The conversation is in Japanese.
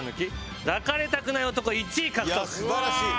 素晴らしい！